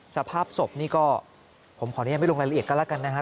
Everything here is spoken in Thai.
สภาพศพนี่ก็ผมขออนุญาตไม่ลงรายละเอียดกันแล้วกันนะครับ